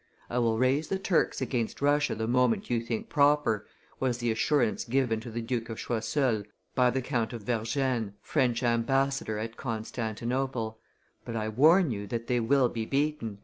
"I will raise the Turks against Russia the moment you think proper," was the assurance given to the Duke of Choiseul by the Count of Vergennes, French ambassador at Constantinople, "but I warn you that they will be beaten."